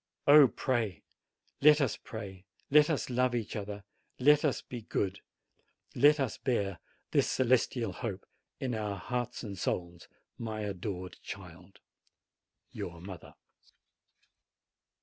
Oh, pray! let us pray, let us love each other, let us be good, let us bear this celestial hope in our hearts and souls, my adored child! YOUR MOTHER.